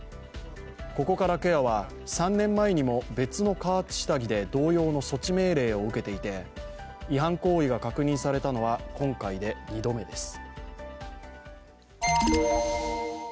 ココカラケアは３年前にも別の加圧下着で同様の措置命令を受けていて違反行為が確認されたのは今回で２度目です。